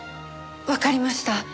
わかりました。